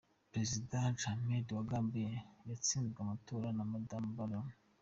Prezida Jammeh wa Gambia yatsinzwe amatora na Adamu Barrow.